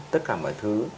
tất cả mọi thứ